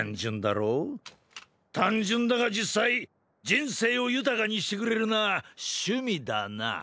単純だが実際人生を豊かにしてくれるのは「趣味」だな。